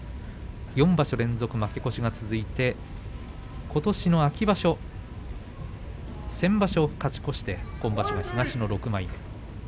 ４場所連続、負け越しが続いてことしの秋場所先場所、勝ち越して今場所は東の６枚目。